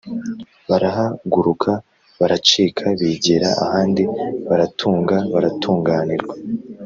barahaguruka baracika; bigira ahandi baratunga baratunganirwa